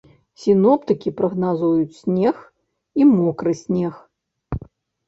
Сіноптыкі прагназуюць снег і мокры снег.